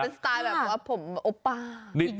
เป็นสไตล์แบบว่าผมโอป้า